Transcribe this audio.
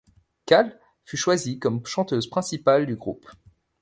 Cal fut choisie comme chanteuse principale du groupe.